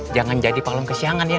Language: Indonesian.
jangan jadi palung kesiangan ya